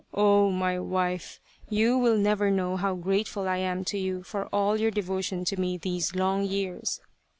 " Oh ! my wife, you will never know how grateful I am to you for all your devotion to me these long years.